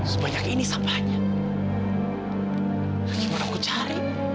sebanyak ini sampahnya bagaimana aku cari